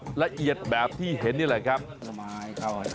กำลังชูคอแผลแม่เบี้ยเตรียมจะทำร้ายเลยนะ